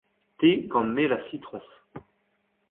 Te gant mel ha sitroñs.